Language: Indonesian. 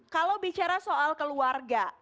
kalau bicara soal keluarga